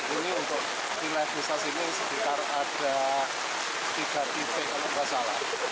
ini untuk di levisasinya sekitar ada tiga titik kalau tidak salah